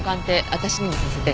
私にもさせて。